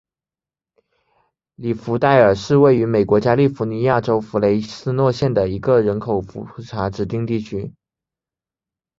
里弗代尔是位于美国加利福尼亚州弗雷斯诺县的一个人口普查指定地区。